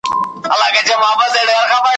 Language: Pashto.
نه جامې او نه څپلۍ په محله کي ,